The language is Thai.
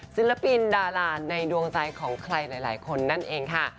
ศิลปินดาราในดวงใจของใครหลายคนนั่นเองค่ะ